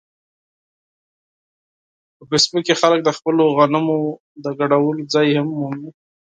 په فېسبوک کې خلک د خپلو غمونو د شریکولو ځای هم مومي